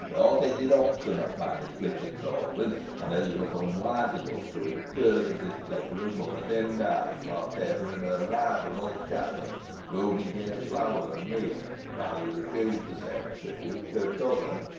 A hot headed, obstinate man is Richard Baldwyn, and he was unwise enough to incur the displeasure of Mother Demdike, by favouring her rival, old Chattox, to whom he gave flour and meal, while he refused the same tribute to the other.